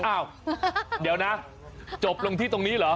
อ้าวเดี๋ยวนะจบลงที่ตรงนี้เหรอ